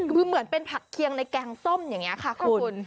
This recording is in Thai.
คือเหมือนเป็นผักเคียงในแกงส้มอย่างนี้ค่ะคุณ